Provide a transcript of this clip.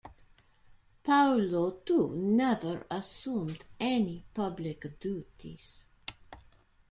Paolo too never assumed any public duties.